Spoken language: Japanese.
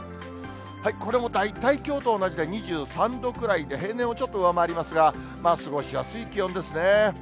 これも大体きょうと同じで２３度くらいで、平年をちょっと上回りますが、過ごしやすい気温ですね。